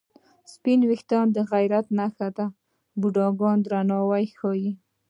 سپین وېښته د عزت نښه ده د بوډاګانو درناوی ښيي